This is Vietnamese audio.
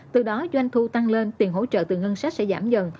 từ đó doanh thu tăng lên tiền hỗ trợ từ ngân sách sẽ giảm dần